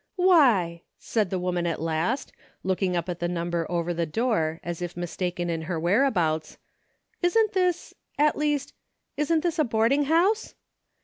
" Why !" said the woman at last, looking up DAILY BATE:^ 341 at the number over the door as if mistaken in her whereabouts, "isn't this, — at least — isn't this a boarding liouse